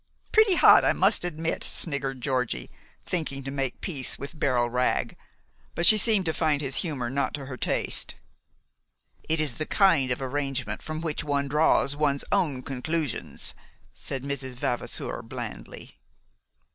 "Pretty hot, I must admit," sniggered Georgie, thinking to make peace with Beryl Wragg; but she seemed to find his humor not to her taste. "It is the kind of arrangement from which one draws one's own conclusions," said Mrs. Vavasour blandly.